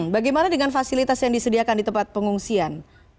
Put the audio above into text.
bagaimana dengan fasilitas yang disediakan di tempat pengungsian